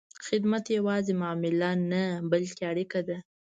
خدمت یوازې معامله نه، بلکې اړیکه ده.